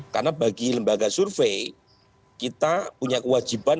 karena bagi lembaga survei kita punya kewajiban